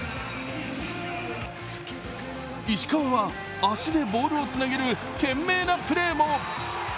石川は足でボールをつなげる懸命なプレーも。